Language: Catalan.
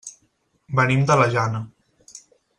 Venim de la Jana.